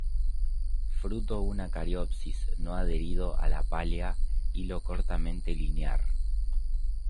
Fruto una cariopsis, no adherido a la pálea; hilo cortamente linear.